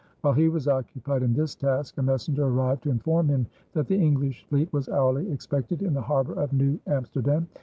While he was occupied in this task, a messenger arrived to inform him that the English fleet was hourly expected in the harbor of New Amsterdam.